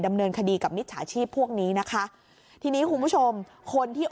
ดำเนินคดีกับมิจฉาชีพพวกนี้นะคะทีนี้คุณผู้ชมคนที่